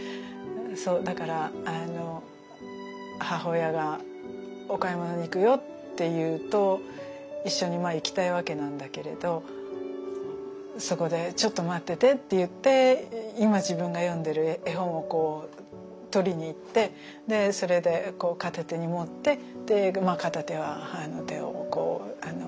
そうだから母親がお買い物に行くよって言うと一緒に行きたいわけなんだけれどそこでちょっと待っててって言って今自分が読んでる絵本をこう取りに行ってそれで片手に持って片手は手をつないでっていう。